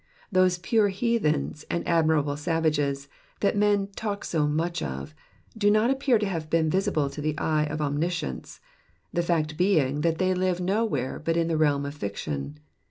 Those pure heathens and admirable savages that men talk so much of, do not appear to have been visible to the eye of Omniscience, the fact being that they live nowhere but in the realm of fiction.